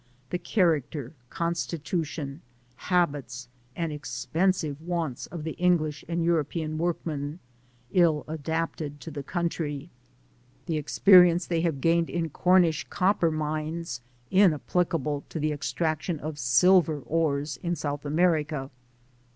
— The character, constitution, habits, and expensive wants of the English and European workmen, ill adapted to the country. — The experience they have gained in Cornish copper mines inapplicable to the extrac tion of silver ores in South America.